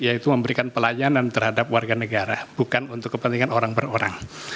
yaitu memberikan pelayanan terhadap warga negara bukan untuk kepentingan orang per orang